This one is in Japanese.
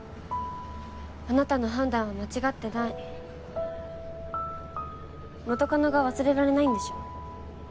あなたの判断は間違ってない元カノが忘れられないんでしょ？